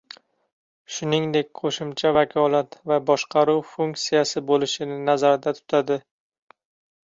shuningdek, qo‘shimcha vakolat va boshqaruv funksiyasi bo‘lishini nazarda tutadi.